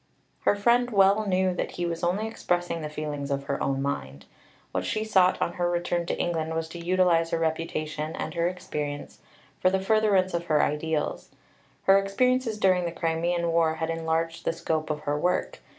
Her friend well knew that he was only expressing the feelings of her own mind. What she sought on her return to England was to utilize her reputation and her experience for the furtherance of her ideals. Her experiences during the Crimean War had enlarged the scope of her work.